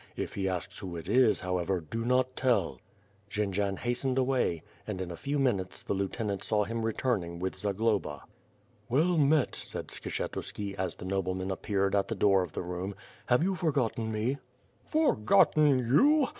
If he asks who it is, however, do not tell.'' Jendzian hastened away, and in a few minutes the lieu tenant saw him returning, with Zagloba. "Well, met," said Skshetuski, as the nobleman appeared at the door of the room. "Have you forgotten me?" "Forgotten you!